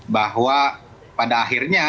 bahwa pada akhirnya